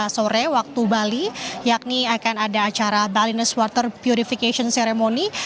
sore waktu bali yakni akan ada acara baliness water purification ceremony